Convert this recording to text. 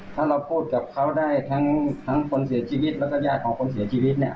ถ้าเราพูดกับเขาได้ทั้งคนเสียชีวิตแล้วก็ญาติของคนเสียชีวิตเนี่ย